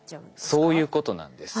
そういうことなんです。